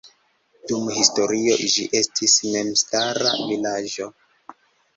Dum historio ĝi estis memstara vilaĝo.